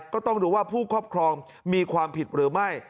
ก็ต้องดูว่าผู้ครอบครองมีความผิดหรือไม่